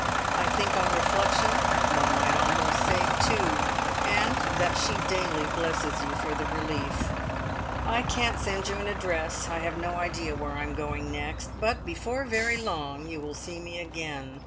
I think on reflection one might almost say two, and that she daily blesses you for the relief! "I can't send you an address. I have no idea where I am going next, but before very long you will see me again.